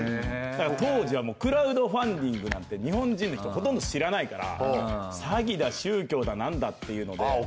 当時はクラウドファンディングなんて日本人の人ほとんど知らないから詐欺だ宗教だ何だっていうので。